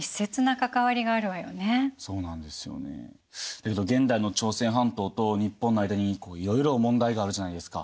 だけど現代の朝鮮半島と日本の間にいろいろ問題があるじゃないですか。